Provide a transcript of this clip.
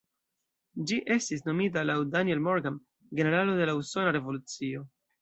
Ĝi estis nomita laŭ Daniel Morgan, generalo de la Usona Revolucio.